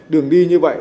đường đi như vậy